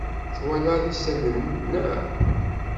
Twalaḍ isalan, naɣ?